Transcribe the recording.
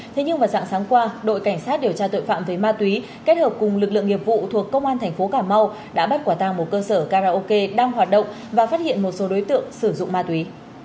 thế nhưng vào sáng sáng qua đội cảnh sát điều tra tội phạm với ma túy kết hợp cùng lực lượng nghiệp vụ thuộc công an tp cảm mau đã bắt quả tang một cơ sở karaoke đang hoạt động và phát hiện một số đối tượng sử dụng ma túy